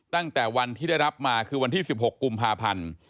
ตั้งแต่วันที่ได้รับมาคือวันที่๑๖กุมภาพันธ์